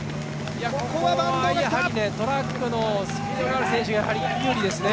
ここはトラックのスピードがある選手、有利ですね。